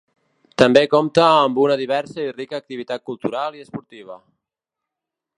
També compta amb una diversa i rica activitat cultural i esportiva.